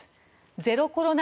ゼロコロナ